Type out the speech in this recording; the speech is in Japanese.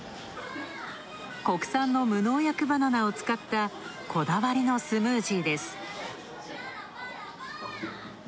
国産の無農薬バナナを使ったこだわりのスムージーです。